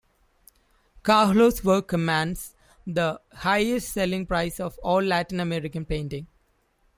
Kahlo's work commands the highest selling price of all Latin American paintings.